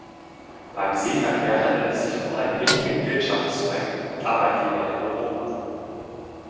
Beim Seeverkehr handelt es sich um einen wichtigen Wirtschaftszweig und Arbeitgeber in Europa.